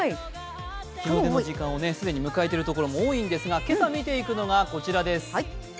日の出の時間を既に迎えている所も多いんですが、今朝見ていくのが、こちらです。